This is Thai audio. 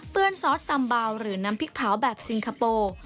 ซอสซัมเบาหรือน้ำพริกเผาแบบซิงคโปร์